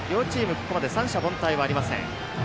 ここまで三者凡退はありません。